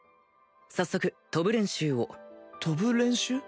早速飛ぶ練習を飛ぶ練習？